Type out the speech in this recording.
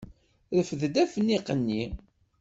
Refdeɣ afniq-nni.